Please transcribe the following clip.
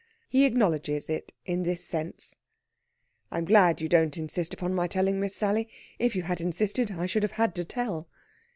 He acknowledges it in this sense. "I'm glad you don't insist upon my telling, Miss Sally. If you had insisted, I should have had to tell."